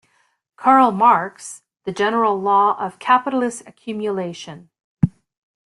Karl Marx, "The General Law of Capitalist Accumulation".